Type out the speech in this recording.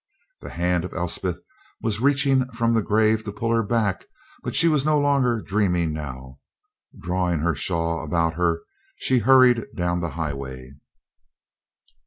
The hand of Elspeth was reaching from the grave to pull her back; but she was no longer dreaming now. Drawing her shawl about her, she hurried down the highway.